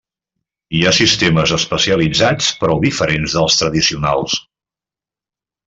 Hi ha sistemes especialitzats prou diferents dels tradicionals.